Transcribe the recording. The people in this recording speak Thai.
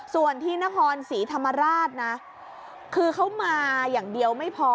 ส่วนที่นครศรีธรรมราชนะคือเขามาอย่างเดียวไม่พอ